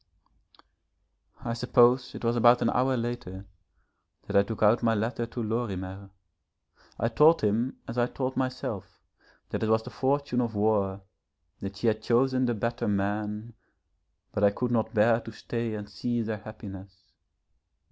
I suppose it was about an hour later that I took out my letter to Lorimer. I told him as I told myself, that it was the fortune of war, that she had chosen the better man, but I could not bear to stay and see their happiness.